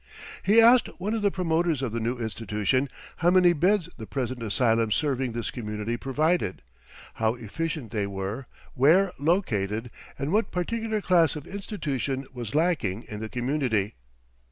He asked one of the promoters of the new institution how many beds the present asylums serving this community provided, how efficient they were, where located, and what particular class of institution was lacking in the community.